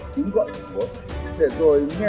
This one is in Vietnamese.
tiếng gọi của chỗ để rồi nghe